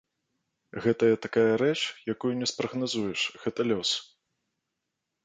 Гэтая такая рэч, якую не спрагназуеш, гэта лёс.